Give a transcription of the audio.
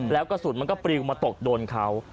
แล้วกระสุนมันก็ปลิวมาตกโดนเขา